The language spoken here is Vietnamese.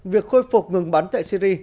việc khôi phục ngừng bắn tại syri